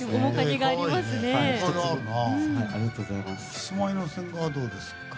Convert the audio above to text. キスマイの千賀はどうですか。